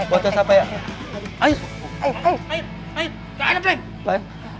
bocah siapa ya